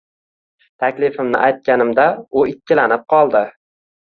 Taklifimni aytganimda u ikkilanib qoldi